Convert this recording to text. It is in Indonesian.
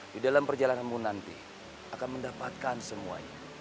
di dalam perjalananmu nanti akan mendapatkan semuanya